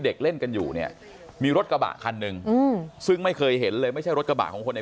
เด็กเล่นกันอยู่เนี่ยมีรถกระบะคันหนึ่งอืมซึ่งไม่เคยเห็นเลยไม่ใช่รถกระบะของคนใน